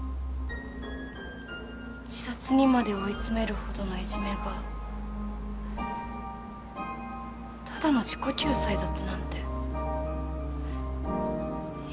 自殺にまで追い詰めるほどのいじめがただの自己救済だったなんて許されるんですか？